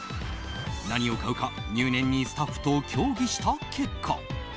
何を買うか入念にスタッフと協議した結果。